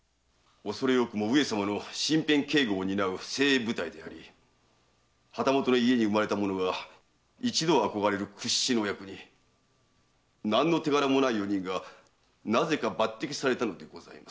おそれ多くも上様の身辺警護を担う精鋭部隊であり旗本の家に生まれた者が一度は憧れる屈指のお役に何の手柄もない四人がなぜか抜擢されたのでございます。